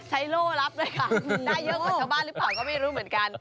ใช้โล่รับด้วยค่ะได้เยอะ